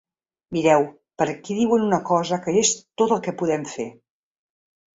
Mireu, per aquí diuen una cosa que és tot el que podem fer.